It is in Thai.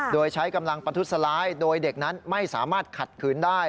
โดยใช้กำลังประทุษร้ายโดยเด็กนั้นไม่สามารถขัดขืนได้